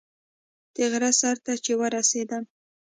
د غره سر ته چې ورسېدم.